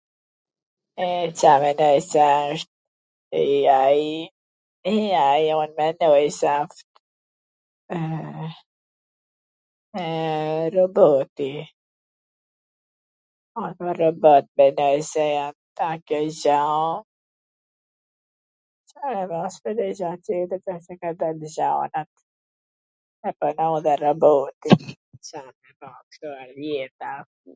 e, Ca mendoj se wsht i ai, .i ai un mendoj se asht... eee..... roboti, robot mendoj se jan kjo gja..., Ca me ba as nonj gja tjetwr tani qw kan dal gjonat, me punu dhe roboti , Ca me ba.... kshtu erdh jeta ...